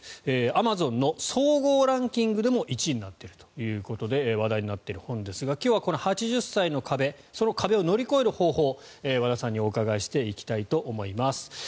アマゾンの総合ランキングでも１位になっているということで話題になっている本ですが今日は８０歳の壁その壁を乗り越える方法を和田さんにお伺いしていこうと思います。